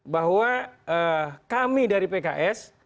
bahwa kami dari pks